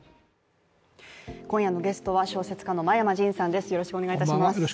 今夜のゲストは小説家の真山仁さんです。